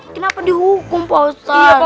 kenapa dihukum pausat